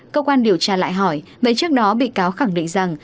cơ quan điều tra lại hỏi vậy trước đó bị cáo khẳng định rằng